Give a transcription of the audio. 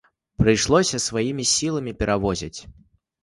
Прыйшлося сваімі сіламі перавозіць.